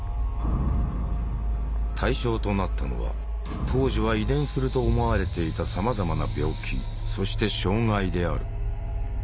対象となったのは当時は遺伝すると思われていたさまざまな病気そして障害である。